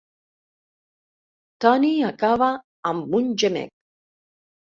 Tony acaba amb un gemec.